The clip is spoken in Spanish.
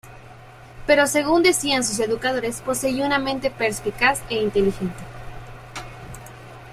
Pero según decían sus educadores poseía una mente perspicaz e inteligente.